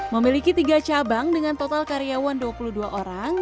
memiliki tiga cabang dengan total karyawan dua puluh dua orang